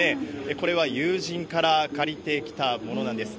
これは友人から借りてきたものなんです。